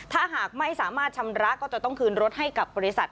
ถ้าหากไม่สามารถชำระก็จะต้องคืนรถให้กับบริษัท